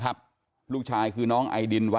ครับจมเลย